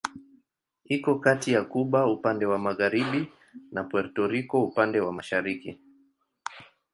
Iko kati ya Kuba upande wa magharibi na Puerto Rico upande wa mashariki.